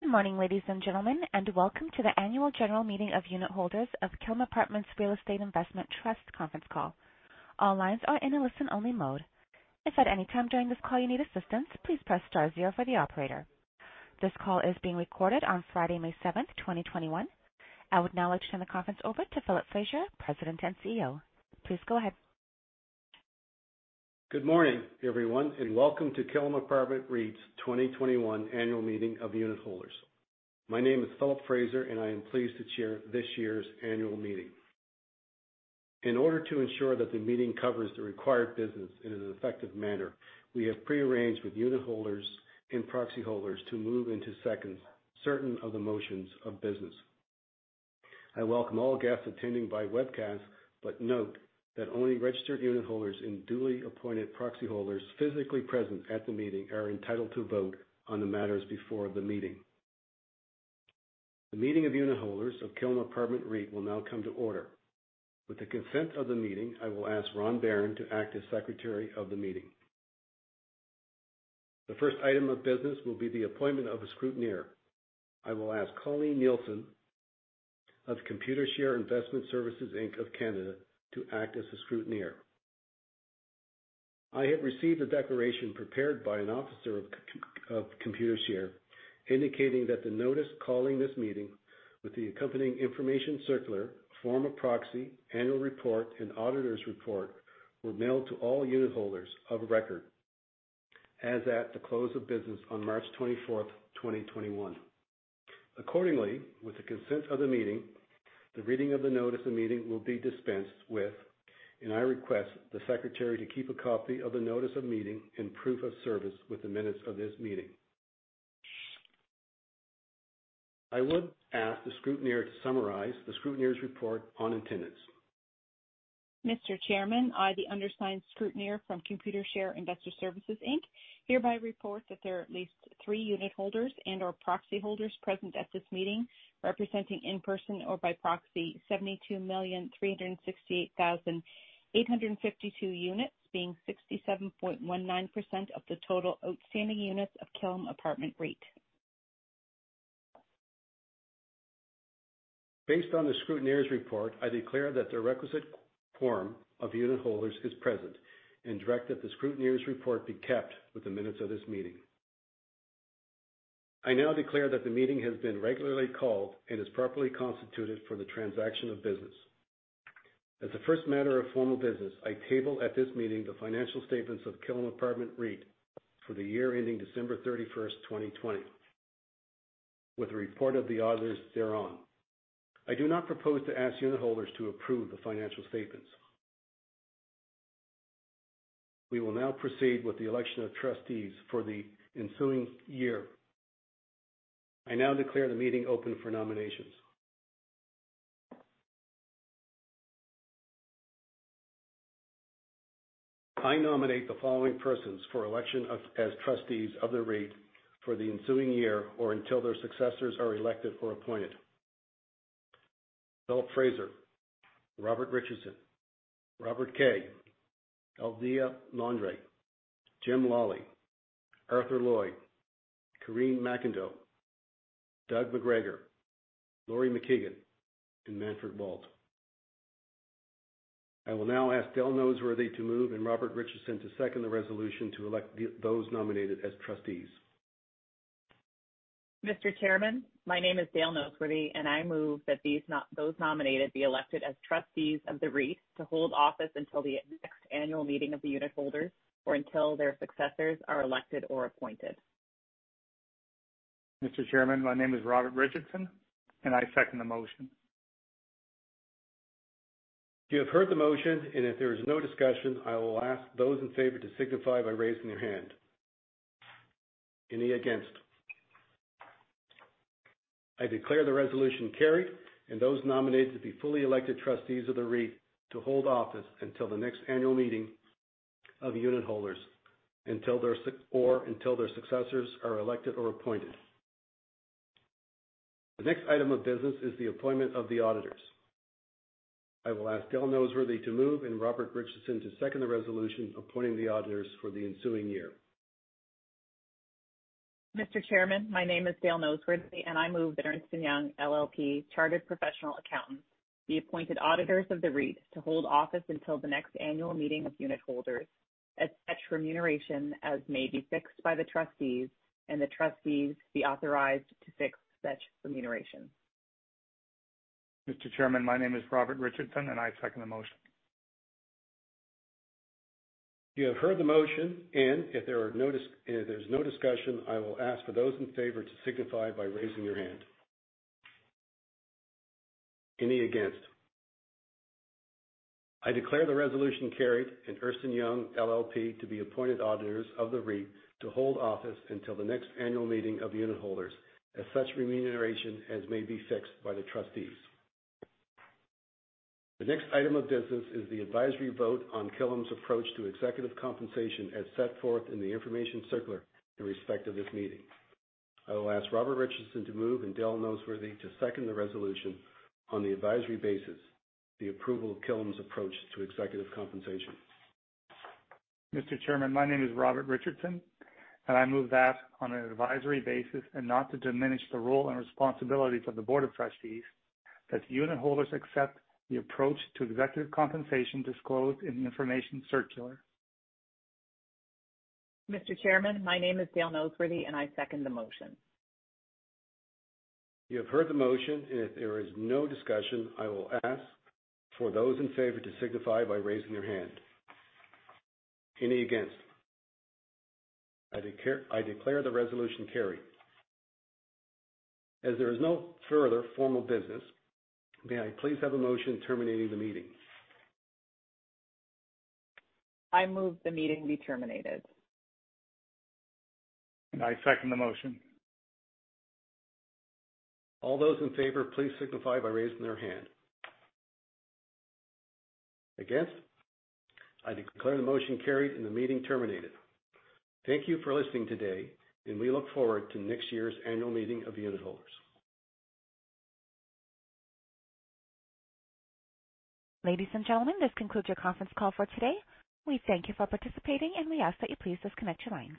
Good morning, ladies and gentlemen, and welcome to the annual general meeting of unitholders of Killam Apartment Real Estate Investment Trust conference call. All lines are in a listen-only mode. If at any time during this call you need assistance, please press star zero for the operator. This call is being recorded on Friday, May seventh, 2021. I would now like to turn the conference over to Philip Fraser, President and CEO. Please go ahead. Good morning, everyone, and welcome to Killam Apartment REIT's 2021 annual meeting of unitholders. My name is Philip Fraser, and I am pleased to chair this year's annual meeting. In order to ensure that the meeting covers the required business in an effective manner, we have prearranged with unitholders and proxy holders to move into certain of the motions of business. I welcome all guests attending by webcast, but note that only registered unitholders and duly appointed proxy holders physically present at the meeting are entitled to vote on the matters before the meeting. The meeting of unitholders of Killam Apartment REIT will now come to order. With the consent of the meeting, I will ask Ronald Barron to act as secretary of the meeting. The first item of business will be the appointment of a scrutineer. I will ask Colleen Nielsen of Computershare Investor Services Inc. of Canada to act as the scrutineer. I have received a declaration prepared by an officer of Computershare indicating that the notice calling this meeting with the accompanying information circular, form of proxy, annual report, and auditor's report were mailed to all unitholders of record as at the close of business on March 24, 2021. With the consent of the meeting, the reading of the notice of meeting will be dispensed with, and I request the secretary to keep a copy of the notice of meeting and proof of service with the minutes of this meeting. I would ask the scrutineer to summarize the scrutineer's report on attendance. Mr. Chairman, I, the undersigned scrutineer from Computershare Investor Services Inc., hereby report that there are at least three unitholders and/or proxy holders present at this meeting, representing in person or by proxy 72,368,852 units, being 67.19% of the total outstanding units of Killam Apartment REIT. Based on the scrutineer's report, I declare that the requisite quorum of unitholders is present and direct that the scrutineer's report be kept with the minutes of this meeting. I now declare that the meeting has been regularly called and is properly constituted for the transaction of business. As the first matter of formal business, I table at this meeting the financial statements of Killam Apartment REIT for the year ending December 31st, 2020, with a report of the auditors thereon. I do not propose to ask unitholders to approve the financial statements. We will now proceed with the election of trustees for the ensuing year. I now declare the meeting open for nominations. I nominate the following persons for election as trustees of the REIT for the ensuing year or until their successors are elected or appointed: Philip Fraser, Robert Richardson, Robert Kay, Aldéa M. Landry, James C. Lawley, Arthur G. Lloyd, Karine L. MacIndoe, Doug McGregor, Laurie M. MacKeigan, and Manfred J. Walt. I will now ask Dale Noseworthy to move and Robert Richardson to second the resolution to elect those nominated as trustees. Mr. Chairman, my name is Dale Noseworthy, and I move that those nominated be elected as trustees of the REIT to hold office until the next annual meeting of the unitholders or until their successors are elected or appointed. Mr. Chairman, my name is Robert Richardson, and I second the motion. You have heard the motion, and if there is no discussion, I will ask those in favor to signify by raising their hand. Any against? I declare the resolution carried and those nominated to be fully elected trustees of the REIT to hold office until the next annual meeting of unitholders or until their successors are elected or appointed. The next item of business is the appointment of the auditors. I will ask Dale Noseworthy to move and Robert Richardson to second the resolution appointing the auditors for the ensuing year. Mr. Chairman, my name is Dale Noseworthy, and I move that Ernst & Young LLP, Chartered Professional Accountants, be appointed auditors of the REIT to hold office until the next annual meeting of unitholders at such remuneration as may be fixed by the trustees and the trustees be authorized to fix such remuneration. Mr. Chairman, my name is Robert Richardson, and I second the motion. You have heard the motion. If there's no discussion, I will ask for those in favor to signify by raising your hand. Any against? I declare the resolution carried. Ernst & Young LLP, to be appointed auditors of the REIT to hold office until the next annual meeting of unitholders at such remuneration as may be fixed by the trustees. The next item of business is the advisory vote on Killam's approach to executive compensation as set forth in the information circular in respect of this meeting. I will ask Robert Richardson to move and Dale Noseworthy to second the resolution on the advisory basis, the approval of Killam's approach to executive compensation. Mr. Chairman, my name is Robert Richardson, and I move that on an advisory basis and not to diminish the role and responsibilities of the board of trustees that unitholders accept the approach to executive compensation disclosed in the information circular. Mr. Chairman, my name is Dale Noseworthy, and I second the motion. You have heard the motion, and if there is no discussion, I will ask for those in favor to signify by raising their hand. Any against? I declare the resolution carried. As there is no further formal business, may I please have a motion terminating the meeting? I move the meeting be terminated. I second the motion. All those in favor, please signify by raising their hand. Against? I declare the motion carried and the meeting terminated. Thank you for listening today, and we look forward to next year's annual meeting of unitholders. Ladies and gentlemen, this concludes your conference call for today. We thank you for participating, and we ask that you please disconnect your lines.